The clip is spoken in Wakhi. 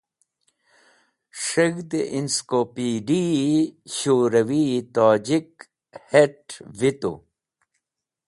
S̃heg̃hd Inskopidi-e Shurawi-e Tojik het̃ vitu.